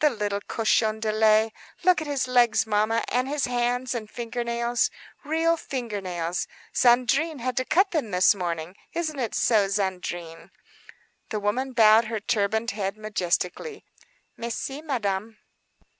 The little cochon de lait! Look at his legs, mamma, and his hands and finger nails,—real finger nails. Zandrine had to cut them this morning. Isn't it true, Zandrine?" The woman bowed her turbaned head majestically, "Mais si, Madame."